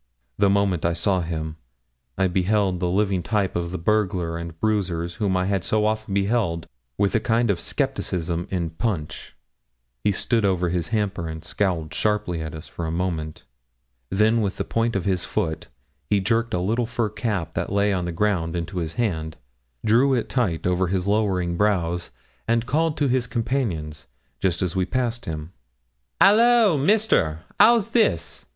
The moment I saw him, I beheld the living type of the burglars and bruisers whom I had so often beheld with a kind of scepticism in Punch. He stood over his hamper and scowled sharply at us for a moment; then with the point of his foot he jerked a little fur cap that lay on the ground into his hand, drew it tight over his lowering brows, and called to his companions, just as we passed him 'Hallo! mister. How's this?'